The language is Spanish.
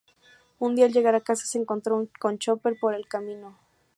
Un día al llegar a casa, se encontró con Chopper por el camino.